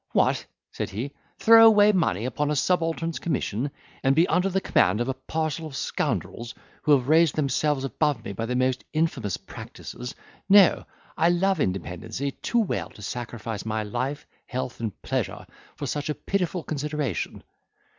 "What," said he, "throw away money upon a subaltern's commission, and be under the command of a parcel of scoundrels, who have raised themselves above me by the most infamous practices. No, I love independency too well to sacrifice my life, health, and pleasure, for such a pitiful consideration."